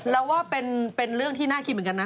เราว่าเป็นเรื่องที่น่าคิดเหมือนกันนะ